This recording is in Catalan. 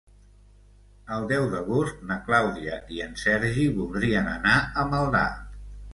El deu d'agost na Clàudia i en Sergi voldrien anar a Maldà.